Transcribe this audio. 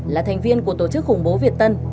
là thành viên của tổ chức khủng bố việt tân